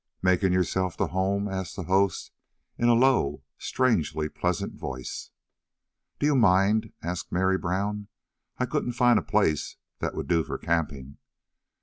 "Making yourself to home?" asked the host, in a low, strangely pleasant voice. "Do you mind?" asked Mary Brown. "I couldn't find a place that would do for camping."